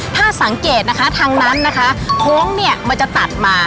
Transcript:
ถ้าสังเกตนะคะทางนั้นนะคะโค้งเนี่ยมันจะตัดมา